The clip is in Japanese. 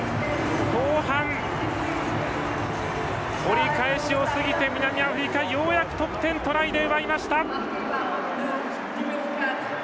後半、折り返しを過ぎて南アフリカようやく得点トライで奪いました。